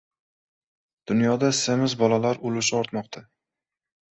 Dunyoda semiz bolalar ulushi ortmoqda